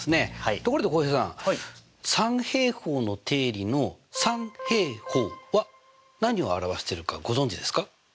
ところで浩平さん三平方の定理の「三平方」は何を表してるかご存じですか？